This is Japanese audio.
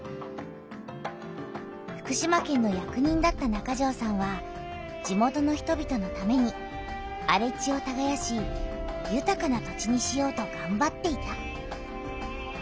福島県の役人だった中條さんは地元の人びとのためにあれ地をたがやしゆたかな土地にしようとがんばっていた。